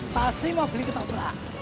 pasti mau beli ketoprak